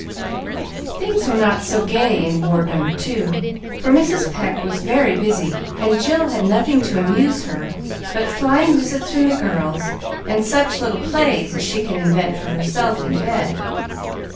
Things were not so gay in Ward No. 2, for Mrs. Pecq was very busy, and Jill had nothing to amuse her but flying visits from the girls, and such little plays as she could invent for herself in bed.